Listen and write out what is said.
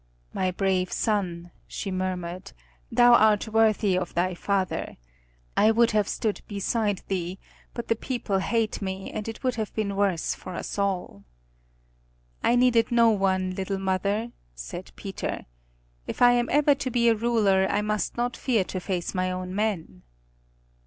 "My brave son," she murmured, "thou art worthy of thy father. I would have stood beside thee, but the people hate me, and it would have been worse for us all." "I needed no one, little mother," said Peter. "If I am ever to be a ruler I must not fear to face my own men."